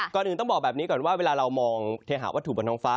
ก่อนอื่นต้องบอกแบบนี้ก่อนว่าเวลาเรามองเทหาวัตถุบนท้องฟ้า